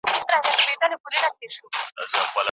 سختۍ ته مې اوږه ورکړې ده.